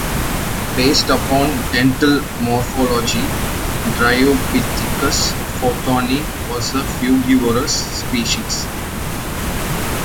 Based upon dental morphology "Dryopithecus fontani" was a frugivorous species.